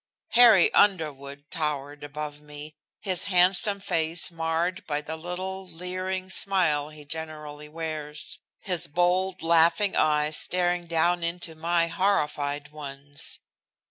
Harry Underwood towered above me, his handsome face marred by the little, leering smile he generally wears, his bold, laughing eyes staring down into my horrified ones.